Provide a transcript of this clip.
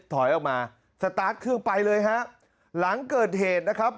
ถอยออกมาสตาร์ทเครื่องไปเลยฮะหลังเกิดเหตุนะครับ